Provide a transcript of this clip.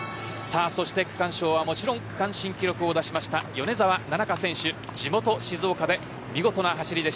そして区間賞はもちろん区間新記録をだした米澤奈々香選手です。